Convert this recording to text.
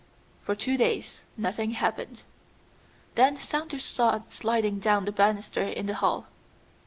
For two days nothing happened. Then Saunders saw it sliding down the banister in the hall.